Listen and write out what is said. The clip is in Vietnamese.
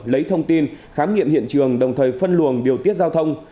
lấy thông tin khám nghiệm hiện trường đồng thời phân luồng điều tiết giao thông